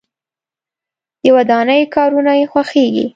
د ودانۍ کارونه یې خوښیږي.